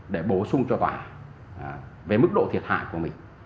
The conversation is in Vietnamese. để bổ sung cho tòa về mức độ thiệt hại của mình